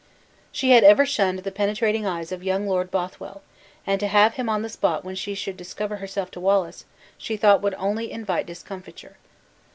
She had ever shunned the penetrating eyes of young Lord Bothwell, and to have him on the spot when she should discover herself to Wallace, she thought would only invite discomfiture.